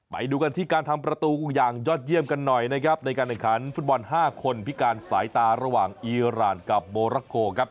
ไปดูกันที่การทำประตูอย่างยอดเยี่ยมกันหน่อยนะครับในการแข่งขันฟุตบอล๕คนพิการสายตาระหว่างอีรานกับโบราโกครับ